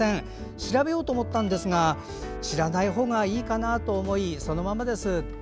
調べようと思ったんですが知らないほうがいいかなと思いそのままです。